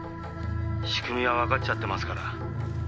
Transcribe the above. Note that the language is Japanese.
「仕組みはわかっちゃってますから」